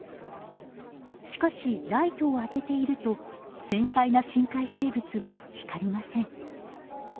しかしライトを当てていると繊細な深海生物は光りません。